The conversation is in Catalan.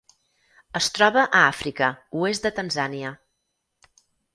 Es troba a Àfrica: oest de Tanzània.